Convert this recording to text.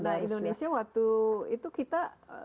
nah indonesia waktu itu kita